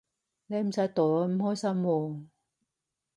你唔使代我唔開心喎